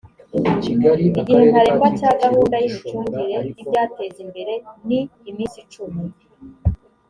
igihe ntarengwa cya gahunda y’imicungire y’ibyateza imbere ni iminsi icumi